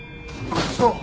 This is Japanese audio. そう！